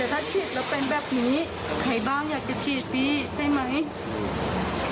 ถ้าฉีดแล้วเป็นแบบนี้ใครบ้างอยากจะฉีดฟรีใช่ไหม